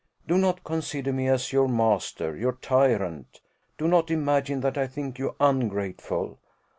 "Do not consider me as your master your tyrant; do not imagine that I think you ungrateful!"